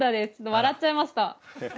笑っちゃいました。